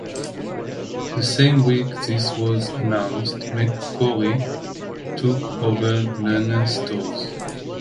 The same week this was announced, McCrory took over Lerner Stores.